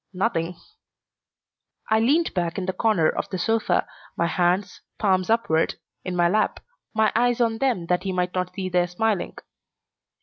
"Nothing." I leaned back in the corner of the sofa, my hands, palms upward, in my lap, my eyes on them that he might not see their smiling.